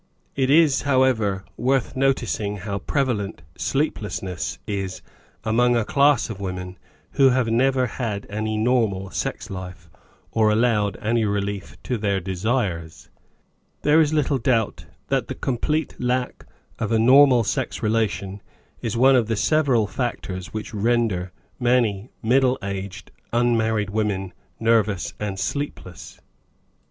It is, how ■; ».:;rt,fP»|PP#ipij«PJlM(iPi.'r 58 Married Love ever, worth noticing how prevalent sleeplessness is among a class of women who have never had any normal sex life or allowed any relief to their desires. There is little doubt that the complete lack of a normal sex relation is one of the several factors which render many middle aged unmarried women nervous and sleepless.